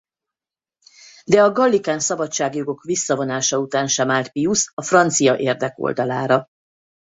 De a gallikán szabadságjogok visszavonása után sem állt Pius a francia érdek oldalára.